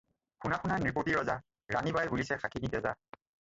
শুনা শুনা নৃপতি ৰজা, ৰাণী বাই বুলিছে শাখিনী তেজা।